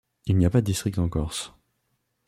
Il n’y a pas de districts en Corse.